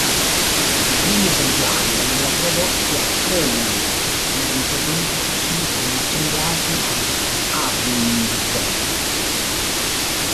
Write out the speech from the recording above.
I primi esemplari vennero prodotti a Cowley, mentre quelli successivi furono assemblati ad Abingdon.